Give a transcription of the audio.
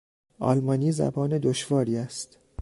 آلمانی زبان دشواری است.